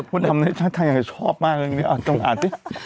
คนทำในชาติไทยชอบมากเรียกนี่เอาจังอาจริง